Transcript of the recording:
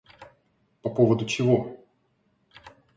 По поводу чего?